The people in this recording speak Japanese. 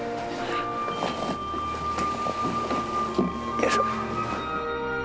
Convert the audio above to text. よいしょ。